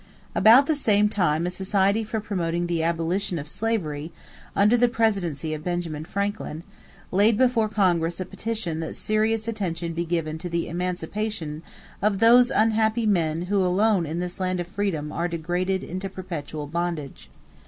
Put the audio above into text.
About the same time a society for promoting the abolition of slavery, under the presidency of Benjamin Franklin, laid before Congress a petition that serious attention be given to the emancipation of "those unhappy men who alone in this land of freedom are degraded into perpetual bondage."